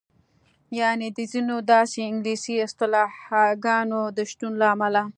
یعنې د ځینو داسې انګلیسي اصطلاحګانو د شتون له امله.